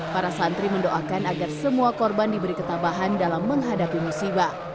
para santri mendoakan agar semua korban diberi ketabahan dalam menghadapi musibah